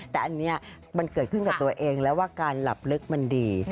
แต่อันนี้มันเกิดขึ้นกับตัวเองแล้วว่าการหลับลึกมันดี